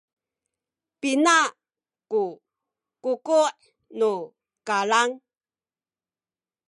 pina ku kuku’ nu kalang?